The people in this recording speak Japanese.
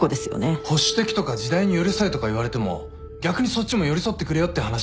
保守的とか時代に寄り添えとか言われても逆にそっちも寄り添ってくれよって話で。